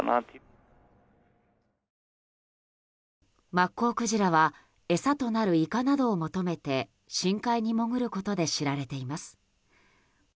マッコウクジラは餌となるイカなどを求めて深海に潜ることで知られています。